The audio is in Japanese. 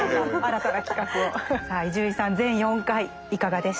さあ伊集院さん全４回いかがでしたか。